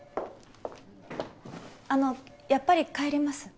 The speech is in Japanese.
あのやっぱり帰ります。